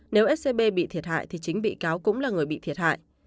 nếu scb bị thiệt hại thì chính bị cáo cũng là người bị thiệt hại